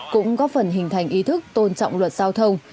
cũng góp phần hình thành ý thức tôn trọng luật giao thông